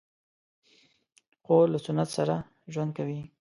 خور له سنت سره ژوند کوي.